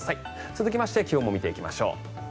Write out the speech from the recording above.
続きまして気温も見ていきましょう。